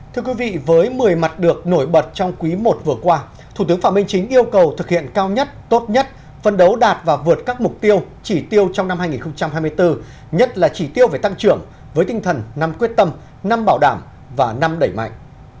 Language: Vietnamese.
thưa quý vị với một mươi mặt được nổi bật trong quý i vừa qua thủ tướng phạm minh chính yêu cầu thực hiện cao nhất tốt nhất phân đấu đạt và vượt các mục tiêu chỉ tiêu trong năm hai nghìn hai mươi bốn nhất là chỉ tiêu về tăng trưởng với tinh thần năm quyết tâm năm bảo đảm và năm đẩy mạnh